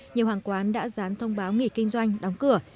nhiều hàng quán đã dán thông báo nghỉ kinh doanh đóng cửa